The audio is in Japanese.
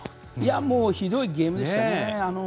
もうひどいゲームでしたね。